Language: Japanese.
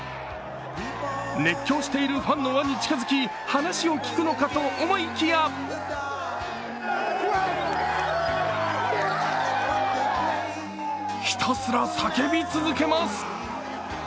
熱狂しているファンの輪に近づき、話を聞くのかと思いきやひたすら叫び続けます。